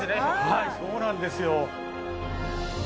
はい、そうなんですよ。